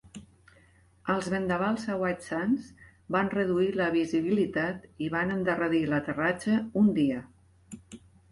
Els vendavals a White Sands van reduir la visibilitat i van endarrerir l'aterratge un dia.